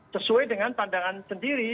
sesuai dengan pandangan sendiri